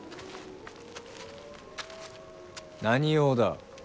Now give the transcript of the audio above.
何用だ。